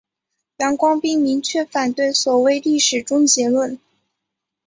杨光斌明确反对所谓历史终结论。